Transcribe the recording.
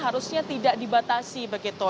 harusnya tidak dibatasi begitu